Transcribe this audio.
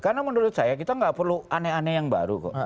karena menurut saya kita nggak perlu aneh aneh yang baru